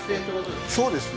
そうですね